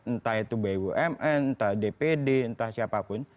entah itu bumn entah dpd entah siapapun